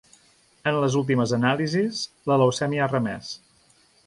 En les últimes anàlisis la leucèmia ha remès.